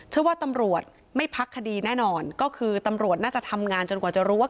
เชื่อว่าตำรวจไม่พักคดีแน่นอนก็คือตำรวจน่าจะทำงานจนกว่าจะรู้ว่า